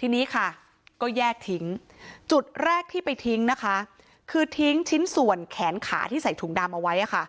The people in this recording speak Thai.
ทีนี้ค่ะก็แยกทิ้งจุดแรกที่ไปทิ้งนะคะคือทิ้งชิ้นส่วนแขนขาที่ใส่ถุงดำเอาไว้ค่ะ